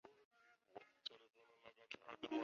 最终谢维俊被撤职。